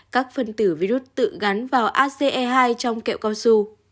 các phần tử virus tự gắn vào ace hai trong kẹo cao su